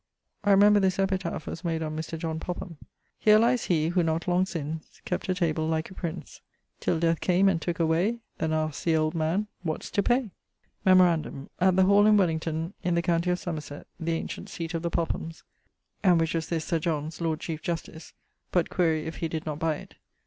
I remember this epitaph was made on Mr. John Popham: Here lies he, who, not long since, Kept a table like a prince, Till Death came, and tooke away. Then ask't the old man, What's to pay? Memorandum: at the hall in Wellington[AW] in the countie of Somerset (the ancient seate of the Pophams), and which was this Sir John's, Lord Chiefe Justice, (but quaere if he did not buy it?)